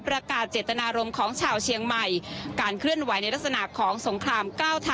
ประกาศเจตนารมณ์ของชาวเชียงใหม่การเคลื่อนไหวในลักษณะของสงคราม๙๐